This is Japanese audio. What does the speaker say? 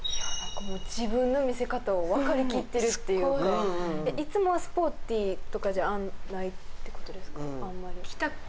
自分の見せ方を分かりきってるっていうか、いつもはスポーティーとかじゃないっていうことですか、あんまり。